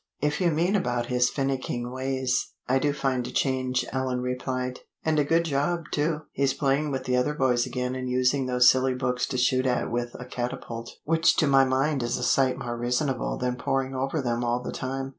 "If you mean about his finicking ways, I do find a change," Ellen replied, "and a good job, too. He's playing with the other boys again and using those silly books to shoot at with a catapult, which to my mind is a sight more reasonable than poring over them all the time.